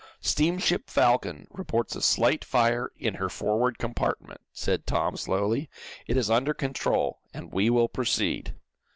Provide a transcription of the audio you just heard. "'STEAMSHIP "FALCON" REPORTS A SLIGHT FIRE IN HER FORWARD COMPARTMENT,'" said Tom, slowly. "'IT IS UNDER CONTROL, AND WE WILL PROCEED.'"